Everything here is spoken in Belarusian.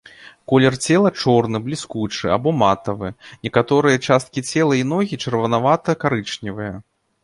Колер цела чорны, бліскучы або матавы, некаторыя часткі цела і ногі чырванаваты-карычневыя.